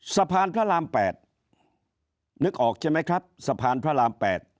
สะพานพระราม๘นึกออกใช่ไหมครับสะพานพระราม๘